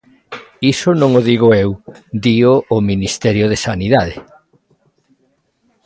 Iso non o digo eu, dío o Ministerio de Sanidade.